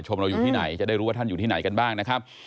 เราอยู่ที่ไหนจะได้รู้ว่าท่านอยู่ที่ไหนกันบ้างนะครับ